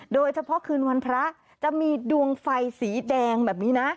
โดยเฉพาะคืนวันพระจะมีดวงไฟสีแดงแบบนี้นะ